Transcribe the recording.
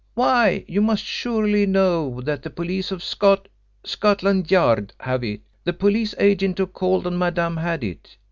Why, you must surely know that the police of Scot Scotland Yard have it. The police agent who called on Madame had it.